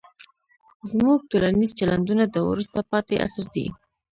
زموږ ټولنیز چلندونه د وروسته پاتې عصر دي.